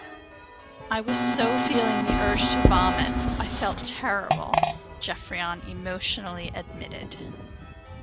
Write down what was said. "I was so feeling the urge to vomit; I felt terrible," Geoffrion emotionally admitted.